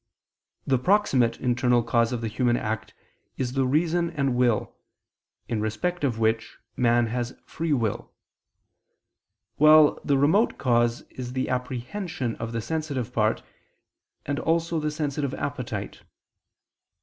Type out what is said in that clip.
The proximate internal cause of the human act is the reason and will, in respect of which man has a free will; while the remote cause is the apprehension of the sensitive part, and also the sensitive appetite.